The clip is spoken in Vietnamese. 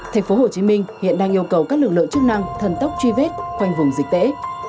thành phố hồ chí minh hiện đang yêu cầu các lực lượng chức năng thần tốc truy vết quanh vùng dịch tễ